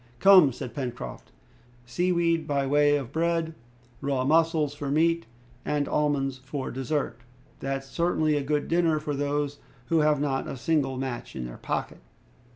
"Come," said Pencroft, "sea weed by way of bread, raw mussels for meat, and almonds for dessert, that's certainly a good dinner for those who have not a single match in their pocket!"